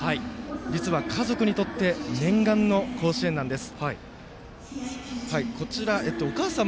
実は家族にとって念願の甲子園なんです。